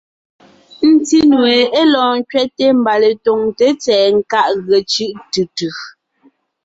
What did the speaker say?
Ńtí nue (é lɔɔn ńkẅɛte mbà) letɔgté tsɛ̀ɛ nkáʼ ge cʉ́ʼ tʉ tʉ.